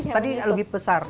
tadi lebih besar